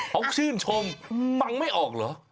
เขาชื่นชมฟังไม่ออกเหรอ